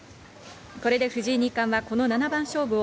これで藤井二冠はこの七番勝負を